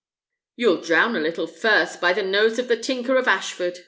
"You'll drown a little first, by the nose of the tinker of Ashford!"